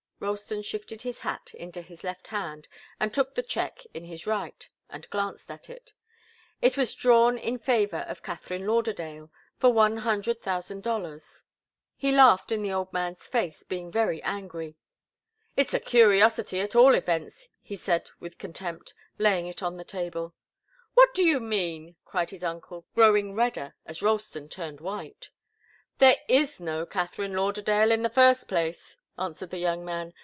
Ralston shifted his hat into his left hand and took the cheque in his right, and glanced at it. It was drawn in favour of Katharine Lauderdale for one hundred thousand dollars. He laughed in the old man's face, being very angry. "It's a curiosity, at all events," he said with contempt, laying it on the table. "What do you mean?" cried his uncle, growing redder as Ralston turned white. "There is no Katharine Lauderdale, in the first place," answered the young man.